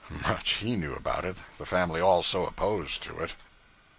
Much he knew about it the family all so opposed to it.